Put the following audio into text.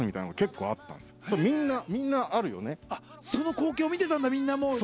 その光景を見てたんだみんな。